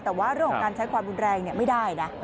แต่ว่าเรื่องของการใช้ความรุนแรงไม่ได้นะ